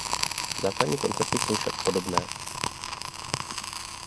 Základní koncepty jsou však podobné.